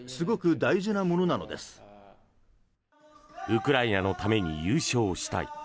ウクライナのために優勝したい